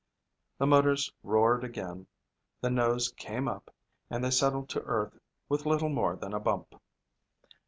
The motors roared again, the nose came up and they settled to earth with little more than a bump.